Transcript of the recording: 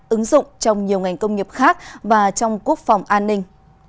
ứng dụng trong nhiều ngành công nghiệp khác và trong quốc phòng an ninh